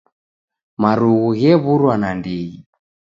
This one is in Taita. Marughu ghewurwa nandigi.